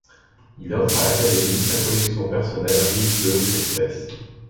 Il offre à l’Académie sa collection personnelles riche de espèces.